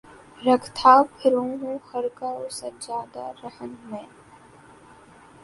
رکھتا پھروں ہوں خرقہ و سجادہ رہن مے